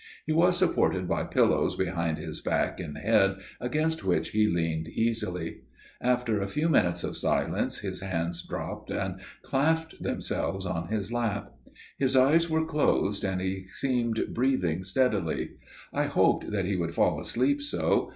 He was supported by pillows behind his back and head, against which he leaned easily. After a few minutes of silence his hands dropped and clasped themselves on his lap. His eyes were closed, and he seemed breathing steadily. I hoped that he would fall asleep so.